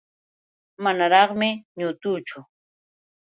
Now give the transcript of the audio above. Manaraqmi ñutuchu.